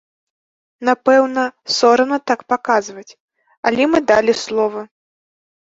Напэўна, сорамна так паказваць, але мы далі слова!